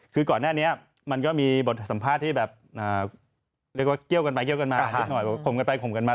คือก่อนแน่นี้มันก็มีบทสัมภาษณ์ที่แบบเรียกว่าเกลี้ยวกันไปเกลี้ยวกันมา